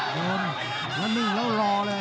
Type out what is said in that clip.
แล้วนึ่งแล้วรอเลย